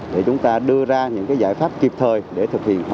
để chúng ta đưa ra những giải pháp kịp thời để thực hiện